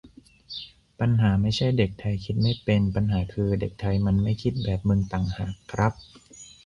"ปัญหาไม่ใช่เด็กไทยคิดไม่เป็น ปัญหาคือเด็กไทยมันไม่คิดแบบมึงต่างหากครับ"